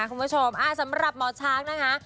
คุณผู้ชมสำหรับหมอช้างนะคะ